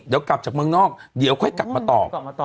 เดี๋ยวกลับจากเมืองนอกเดี๋ยวค่อยกลับมาตอบ